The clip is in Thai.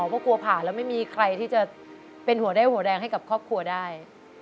เพราะกลัวผ่านแล้วไม่มีใครที่จะเป็นหัวได้หัวแรงให้กับครอบครัวได้